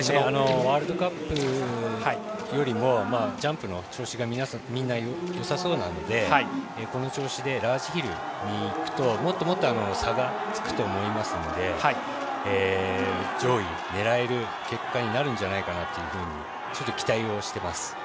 ワールドカップよりもジャンプの調子がみんな、よさそうなのでこの調子で、ラージヒルにいくともっともっと差がつくと思いますので上位、狙える結果になるんじゃないかなとちょっと期待をしてます。